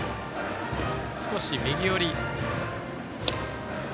少し右寄り。